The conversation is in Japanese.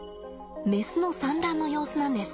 メスの産卵の様子なんです。